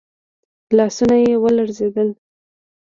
لاسونه يې ولړزېدل.